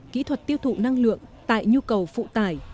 kỹ thuật tiêu thụ năng lượng tại nhu cầu phụ tải